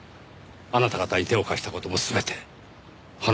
あなた方に手を貸した事も全て話してくれました。